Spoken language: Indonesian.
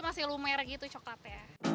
masih lumer gitu coklatnya